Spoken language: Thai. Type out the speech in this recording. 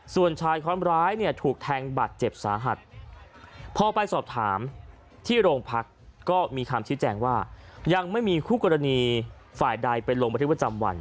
ส่วนชายความร้ายเนี่ยถูกแทงบาดเจ็บสาหัสพอไปสอบถามที่โรงพักก็มีคำชี้แจงว่ายังไม่มีคู่กรณีฝ่ายใดไปลงบันทึกประจำวัน